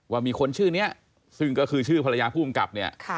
ว่ามีคนชื่อนี้ซึ่งก็คือชื่อภรรยาผู้กำกับเนี่ย